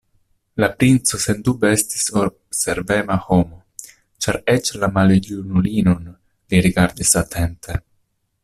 La princo sendube estis observema homo, ĉar eĉ la maljunulinon li rigardis atente.